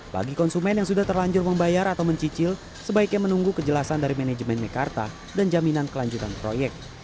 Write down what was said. bagi konsumen yang sudah terlanjur membayar atau mencicil sebaiknya menunggu kejelasan dari manajemen mekarta dan jaminan kelanjutan proyek